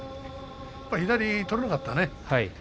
左、取れなかったよね。